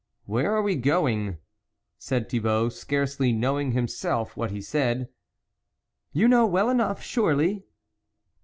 Where are we going ?" said Thibault, scarcely knowing himself what he said. ' You know well enough, surely."